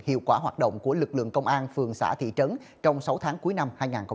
hiệu quả hoạt động của lực lượng công an phường xã thị trấn trong sáu tháng cuối năm hai nghìn hai mươi ba